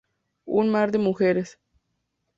Un mar de mujeres.